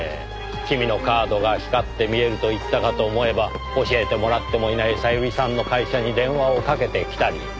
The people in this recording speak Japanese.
君のカードが光って見えると言ったかと思えば教えてもらってもいない小百合さんの会社に電話をかけてきたり。